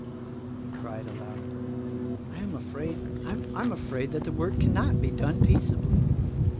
he cried aloud I am afraid, I m afraid that the work cannot be done peaceably.